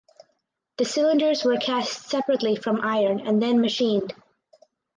The cylinders were cast separately from iron and then machined.